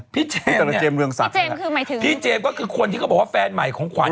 พี่เจมส์ก็คือคนที่บอกได้แฟนใหม่ของขวัญ